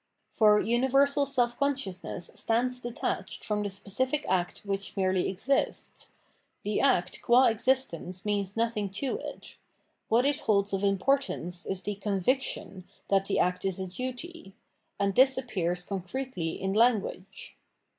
For universal self consciousness stands detached from the specific act which merely exists : the act qua existence means nothing to it : what it holds of importance is the conviction that the act is a duty ; and this appears concretely in language.